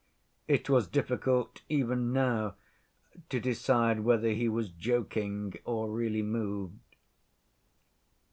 It was difficult even now to decide whether he was joking or really moved.